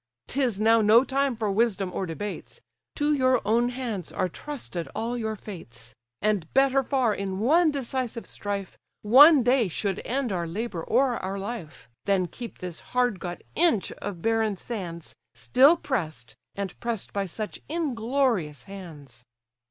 'Tis now no time for wisdom or debates; To your own hands are trusted all your fates; And better far in one decisive strife, One day should end our labour or our life, Than keep this hard got inch of barren sands, Still press'd, and press'd by such inglorious hands."